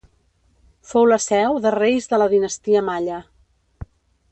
Fou la seu de reis de la dinastia Malla.